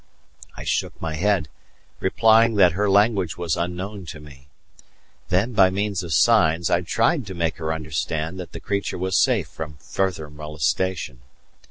I shook my head, replying that her language was unknown to me. Then by means of signs I tried to make her understand that the creature was safe from further molestation.